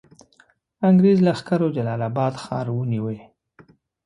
انګرېز لښکرو جلال آباد ښار ونیوی.